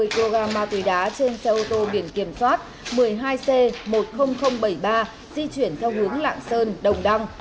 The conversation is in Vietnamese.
ba mươi kg ma túy đá trên xe ô tô biển kiểm soát một mươi hai c một mươi nghìn bảy mươi ba di chuyển theo hướng lạng sơn đồng đăng